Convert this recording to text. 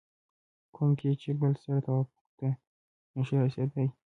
کوم کې چې بل سره توافق ته نشو رسېدلی